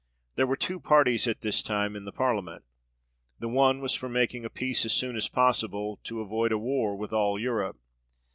There were two parties at this time in the Parliament ; the one was for making a peace as soon as possible, to avoid a war with all Europe.